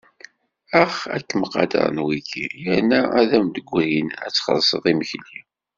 Ax, ad kem-qadden wiki, yerna ad am-d-grin ad txelṣeḍ imekli.